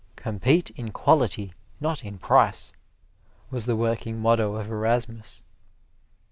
"Compete in quality, not in price," was the working motto of Erasmus.